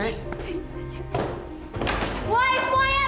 woy semuanya semuanya ngumpul